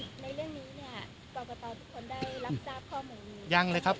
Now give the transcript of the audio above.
ในเรื่องนี้เนี่ยกรกตทุกคนได้รับทราบข้อมูลยังเลยครับ